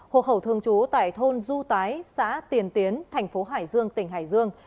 hộ khẩu thường trú tại thôn du tái xã tiền tiến thành phố hải dương tỉnh hải dương